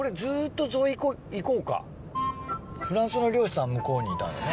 フランスの漁師さん向こうにいたんだよね。